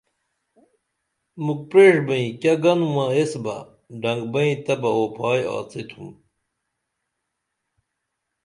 مُکھ پریݜبئیں کیہ گنُمبہ ایس بہ ڈنگبئیں تبہ اوپھائی آڅتُھم